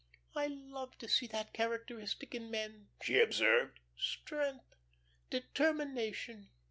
"I love to see that characteristic in men," she observed. "Strength, determination."